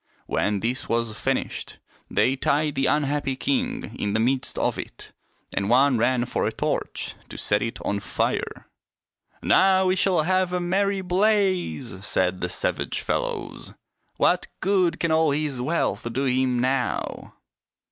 When this was finished they tied the unhappy king in the midst of it, and one ran for a torch to set it on fire. " Now we shall have a merry blaze," said the savage fellows. " What good can all his wealth do him now